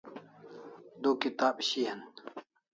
Du kitab shian